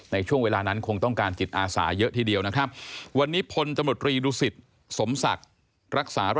ในช่วงเวลานั้นคงต้องการจิตอาสาเยอะที่เดียวนะครับ